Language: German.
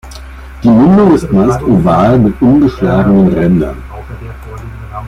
Die Mündung ist meist oval mit umgeschlagenen Rändern.